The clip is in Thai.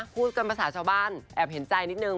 พูดกันภาษาชาวบ้านแอบเห็นใจนิดนึง